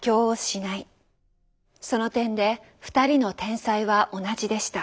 その点で二人の天才は同じでした。